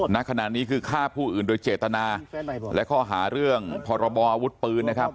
ณขณะนี้คือฆ่าผู้อื่นโดยเจตนาและข้อหาเรื่องพรบออาวุธปืนนะครับ